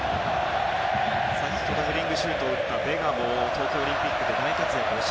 先ほどヘディングシュートを打ったベガも東京オリンピックで大活躍。